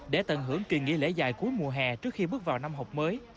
để tận hưởng kỳ nghỉ lễ dài cuối mùa hè trước khi bước vào năm học mới